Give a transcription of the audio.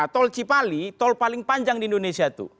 tol cipali tol paling panjang di indonesia itu